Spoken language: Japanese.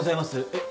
えっ？